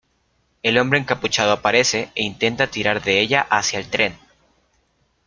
El hombre encapuchado aparece e intenta tirar de ella hacia el tren.